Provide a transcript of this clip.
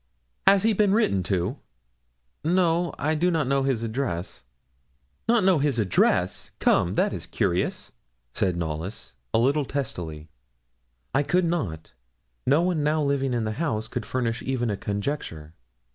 'Has he been written to?' 'No, I do not know his address.' 'Not know his address! come, that is curious,' said Knollys, a little testily. I could not no one now living in the house could furnish even a conjecture.